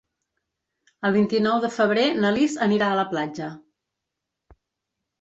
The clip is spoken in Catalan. El vint-i-nou de febrer na Lis anirà a la platja.